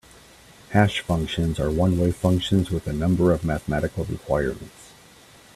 Hash functions are one-way functions with a number of mathematical requirements.